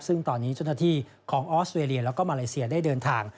ซึ่งตอนนี้เจ้าหน้าที่ของออสเวรียแล้วก็มาเลเซียได้เดินทาง